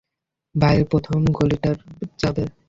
বাঁয়ের প্রথম গলিটায় যাবে।